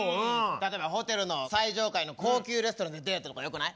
例えばホテルの最上階の高級レストランでデートとかよくない？